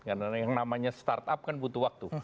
karena yang namanya start up kan butuh waktu